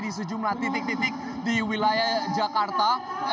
di sejumlah titik titik di wilayah jakarta